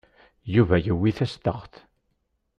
Yuba yewwi tastaɣt.